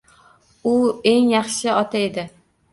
U eng yaxshi ota edi.